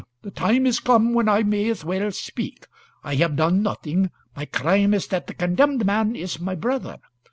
The time is come when I may as well speak. I have done nothing; my crime is that the condemned man is my brother.